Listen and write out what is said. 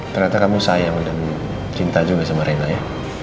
ternyata kamu sayang dan cinta juga sama rena ya